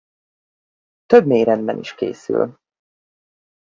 Több méretben is készül.